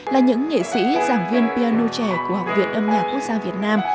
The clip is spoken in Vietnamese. là những nghệ sĩ giảng viên piano trẻ của học viện âm nhạc quốc gia việt nam